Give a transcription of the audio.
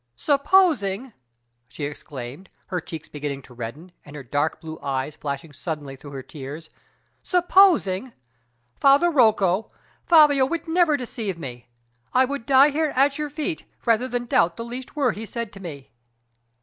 "Supposing!" she exclaimed, her cheeks beginning to redden, and her dark blue eyes flashing suddenly through her tears "Supposing! Father Rocco, Fabio would never deceive me. I would die here at your feet, rather than doubt the least word he said to me!"